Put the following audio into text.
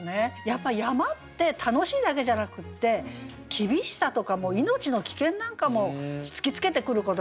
やっぱ山って楽しいだけじゃなくて厳しさとか命の危険なんかも突きつけてくることがありますよね。